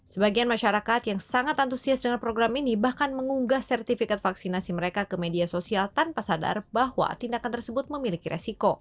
sebagian masyarakat yang sangat antusias dengan program ini bahkan mengunggah sertifikat vaksinasi mereka ke media sosial tanpa sadar bahwa tindakan tersebut memiliki resiko